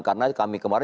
karena kami kemarin